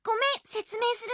せつめいするね。